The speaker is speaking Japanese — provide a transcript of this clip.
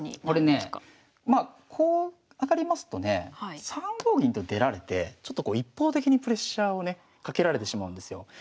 これねまあこう上がりますとね３五銀と出られてちょっとこう一方的にプレッシャーをねかけられてしまうんですよ。